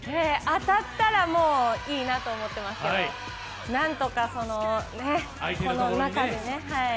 当たったらもういいなと思ってますけどなんとかこの中でね。